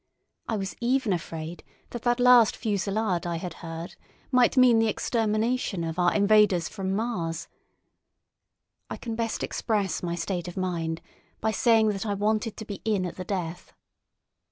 I was even afraid that that last fusillade I had heard might mean the extermination of our invaders from Mars. I can best express my state of mind by saying that I wanted to be in at the death.